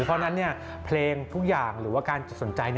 เพราะฉะนั้นเพลงทุกอย่างหรือว่าการสนใจ